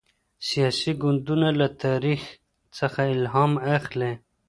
سياسي ګوندونه له تاريخ څخه الهام اخلي.